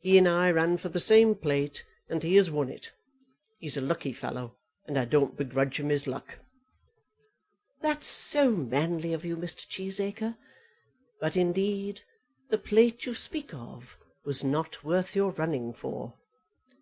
He and I ran for the same plate, and he has won it. He's a lucky fellow, and I don't begrudge him his luck." "That's so manly of you, Mr. Cheesacre! But, indeed, the plate you speak of was not worth your running for."